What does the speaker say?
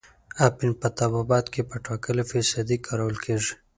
اپین په طبابت کې په ټاکلې فیصدۍ کارول کیږي.